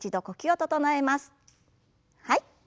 はい。